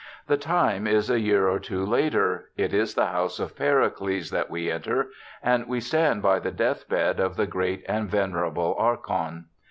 The time is a year or two later — it is the house of Pericles that we enter, and we stand by the death bed of the great and venerable Archon.